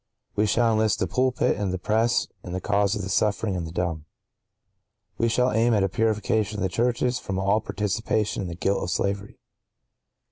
(¶ 38) We shall enlist the pulpit and the press in the cause of the suffering and the dumb. (¶ 39) We shall aim at a purification of the churches from all participation in the guilt of slavery.